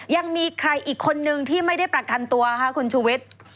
ยังมีใครอีกคนนึงที่ไม่ได้ประกันตัวค่ะคุณชูวิทย์